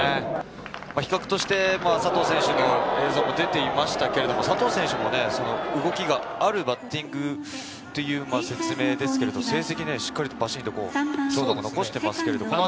比較として佐藤選手の映像も出ていましたけれど、佐藤選手も動きがあるバッティングという説明ですが成績はしっかり残しています。